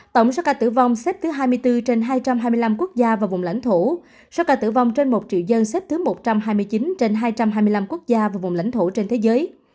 tổng số ca tử vong xếp thứ hai mươi bốn trên hai trăm hai mươi năm quốc gia và vùng lãnh thổ số ca tử vong trên một triệu dân xếp thứ một trăm hai mươi chín trên hai trăm hai mươi năm quốc gia và vùng lãnh thổ trên thế giới